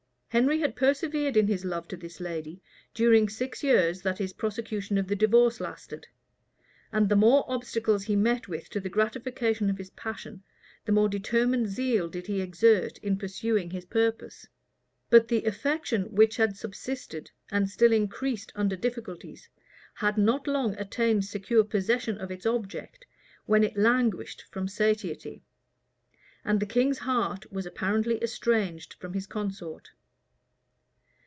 Henry had persevered in his love to this lady during six years that his prosecution of the divorce lasted; and the more obstacles he met with to the gratification of his passion, the more determined zeal did he exert in pursuing his purpose. But the affection which had subsisted, and still increased under difficulties, had not long attained secure possession of its object, when it languished from satiety; and the king's heart was apparently estranged from his consort.